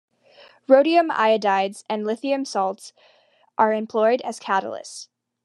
Rhodium iodides and lithium salts are employed as catalysts.